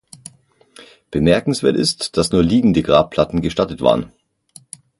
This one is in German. Bemerkenswert ist, dass nur liegende Grabplatten gestattet waren.